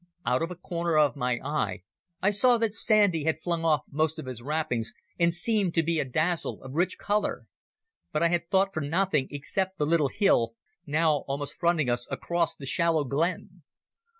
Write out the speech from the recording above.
Out of a corner of my eye I saw that Sandy had flung off most of his wrappings and seemed to be all a dazzle of rich colour. But I had thought for nothing except the little hill, now almost fronting us across the shallow glen.